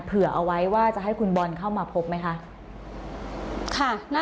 เผื่อเอาไว้ว่าจะให้คุณบอลเข้ามาพบไหมคะ